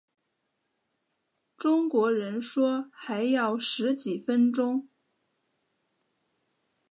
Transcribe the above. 中国人说还要十几分钟